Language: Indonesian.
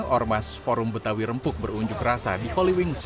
delapan ormas forum betawi rempuk berunjuk rasa di holy wings